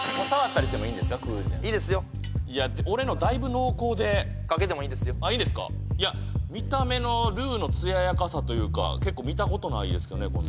触ったりしてもいいんですかいいですよいや俺のだいぶ濃厚でかけてもいいですよいいんですか見た目のルーの艶やかさというか結構見たことないですけどね